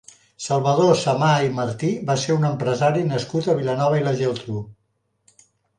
Salvador Samà i Martí va ser un empresari nascut a Vilanova i la Geltrú.